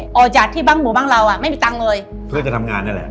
ออกจากที่บางหมู่บ้านเราอ่ะไม่มีตังค์เลยเพื่อจะทำงานนี่แหละ